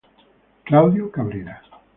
Claudio Cabrera